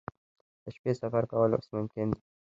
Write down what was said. د شپې سفر کول اوس ممکن دي